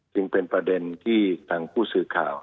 จึงเป็นประเด็นที่ทางผู้สื่อข่าว